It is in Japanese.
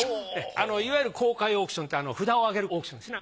いわゆる公開オークションって札をあげるオークションですね。